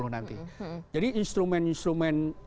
nanti jadi instrumen instrumen